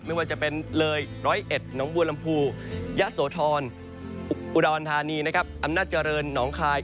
ไม่ว่าจะเป็นเลย๑๐๑หนองบัวลำพูยะโสธรอุดรธานีนะครับอำนาจเจริญหนองคาย